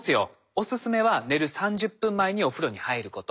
おすすめは寝る３０分前にお風呂に入ること。